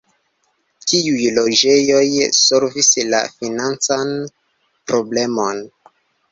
Tiuj loĝejoj solvis la financan problemon.